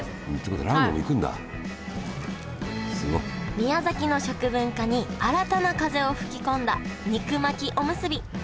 宮崎の食文化に新たな風を吹き込んだ肉巻きおむすび。